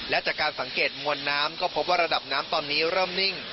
และจากการสังเกตมวลน้ำก็พบว่าระดับน้ำตอนนี้เริ่มนิ่ง